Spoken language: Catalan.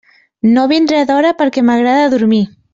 No vindré d'hora perquè m'agrada dormir.